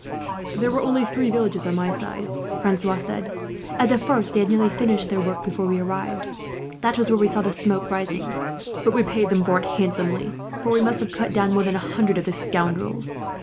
"There were only three villages on my side," Francois said. "At the first, they had nearly finished their work before we arrived. That was where we saw the smoke rising. But we paid them for it handsomely, for we must have cut down more than a hundred of the scoundrels.